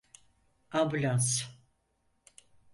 Ambulans!